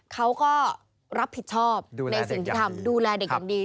เขาก็รับผิดชอบในสิ่งที่ทำดูแลเด็กอย่างดี